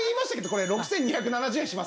これ６２７０円しますから。